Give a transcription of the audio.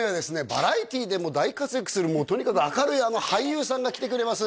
バラエティーでも大活躍するもうとにかく明るいあの俳優さんが来てくれます